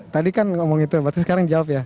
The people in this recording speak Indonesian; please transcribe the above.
tadi kan ngomong itu berarti sekarang jawab ya